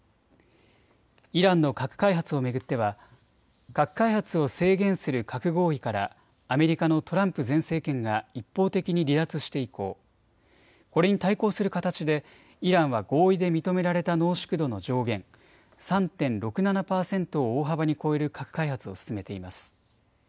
イランの核開発を巡っては核開発を制限する核合意からアメリカのトランプ前政権が一方的に離脱して以降、これに対抗する形でイランは合意で認められた濃縮度の上限３．６７％を大幅に超える核開発を進めています。